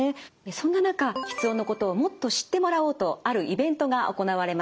そんな中吃音のことをもっと知ってもらおうとあるイベントが行われました。